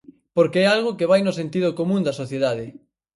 Porque é algo que vai no sentido común da sociedade.